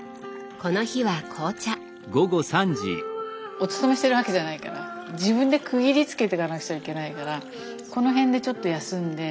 お勤めしてるわけじゃないから自分で区切りつけてかなくちゃいけないからこの辺でちょっと休んで。